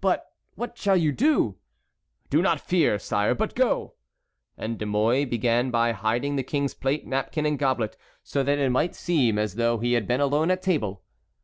"But what shall you do?" "Do not fear, sire, but go." And De Mouy began by hiding the king's plate, napkin, and goblet, so that it might seem as though he had been alone at table.